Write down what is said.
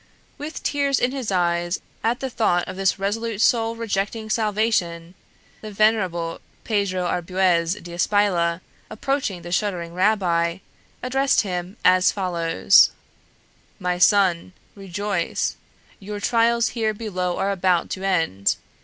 With tears in his eyes at the thought of this resolute soul rejecting salvation, the venerable Pedro Arbuez d'Espila, approaching the shuddering rabbi, addressed him as follows: "My son, rejoice: your trials here below are about to end.